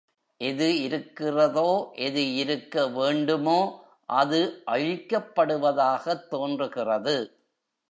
எது இருக்கிறதோ, எது இருக்க வேண்டுமோ, அது அழிக்கப்படுவதாகத் தோன்றுகிறது.